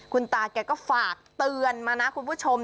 คุณตาแกก็ฝากเตือนมานะคุณผู้ชม